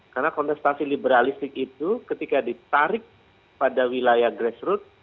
karena kontestasi liberalistik itu ketika ditarik pada wilayah grassroot